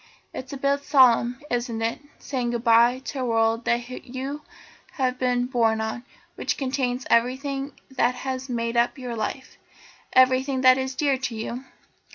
It is a bit solemn, isn't it, saying goodbye to a world that you have been born on; which contains everything that has made up your life, everything that is dear to you?"